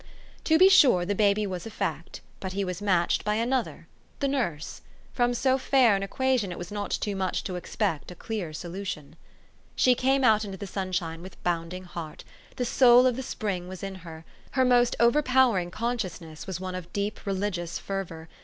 To be sure the baby was a fact; but he was matched by another, the nurse : from so fair an equation it was not too much to expect a clear solu tion. She came out into the sunshine with bounding heart. The soul of the spring was in her. Her most overpowering consciousness was one of deep religious fervor.